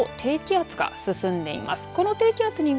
山陰沖を低気圧が進んでいます。